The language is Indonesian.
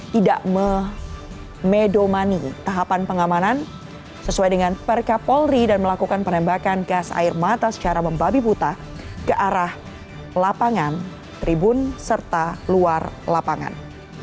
tidak memedomani tahapan pengamanan sesuai dengan perkapolri dan melakukan penembakan gas air mata secara membabi buta ke arah lapangan tribun serta luar lapangan